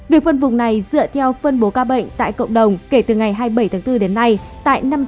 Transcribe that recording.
việc phân vùng này dựa theo phân bố ca bệnh tại cộng đồng kể từ ngày hai mươi bảy tháng bốn đến nay